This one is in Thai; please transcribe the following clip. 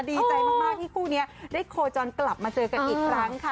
ดีใจมากที่คู่นี้ได้โคจรกลับมาเจอกันอีกครั้งค่ะ